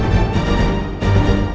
masih ada yang nunggu